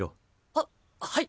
はっはい。